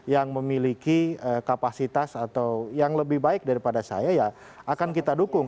yang memiliki kapasitas atau yang lebih baik daripada saya ya akan kita dukung